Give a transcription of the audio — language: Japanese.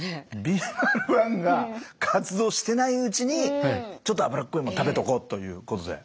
ビーマル１が活動してないうちにちょっと脂っこいもの食べとこうということで。